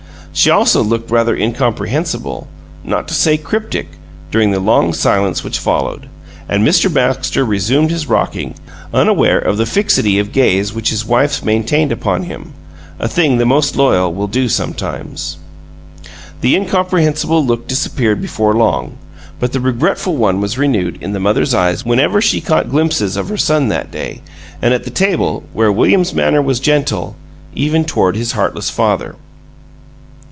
She also looked rather incomprehensible, not to say cryptic, during the long silence which followed, and Mr. Baxter resumed his rocking, unaware of the fixity of gaze which his wife maintained upon him a thing the most loyal will do sometimes. The incomprehensible look disappeared before long; but the regretful one was renewed in the mother's eyes whenever she caught glimpses of her son, that day, and at the table, where William's manner was gentle even toward his heartless father.